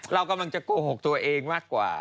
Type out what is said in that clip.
เรากำลังจะโกหกตัวเองมากกว่า